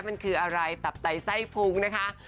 มันคืออะไรตับไตไส้ฟุ้งนะคะ